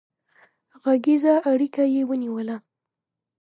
غږيزه اړيکه يې ونيوله